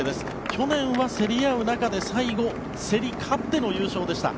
去年は競り合う中で最後、競り勝っての優勝でした。